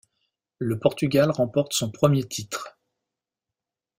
Le Portugal remporte son premier titre.